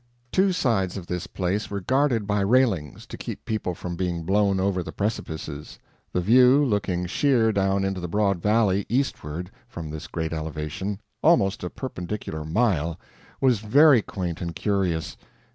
Two sides of this place were guarded by railings, to keep people from being blown over the precipices. The view, looking sheer down into the broad valley, eastward, from this great elevation almost a perpendicular mile was very quaint and curious.